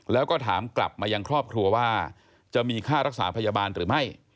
แล้วก็ถามกลับมายังครอบครัวว่าจะมีค่ารักษาพยาบาลหรือไม่